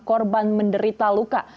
korban menderita luka